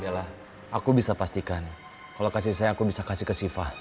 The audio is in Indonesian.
bella aku bisa pastikan kalau kasih sayang aku bisa kasih ke syifa